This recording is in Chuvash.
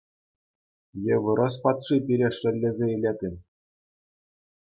Е вырӑс патши пире шеллесе илет-им?